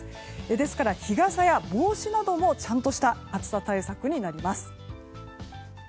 ですから、日傘や帽子などもちゃんとした暑さ対策になります。